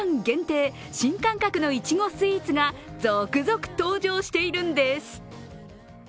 限定新感覚のいちごスイーツが続々登場しているんです。